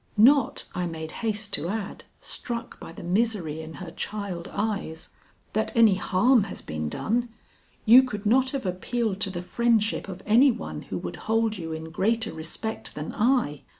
Not," I made haste to add, struck by the misery in her child eyes, "that any harm has been done. You could not have appealed to the friendship of any one who would hold you in greater respect than I.